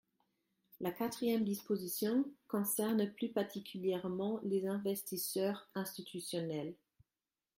La quatrième disposition concerne plus particulièrement les investisseurs institutionnels.